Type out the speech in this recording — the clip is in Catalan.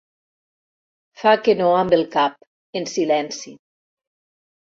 Fa que no amb el cap, en silenci.